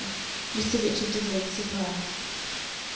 MR. RICHARD DEVINE SURPRISED.